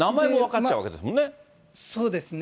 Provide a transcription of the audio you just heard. そうですね。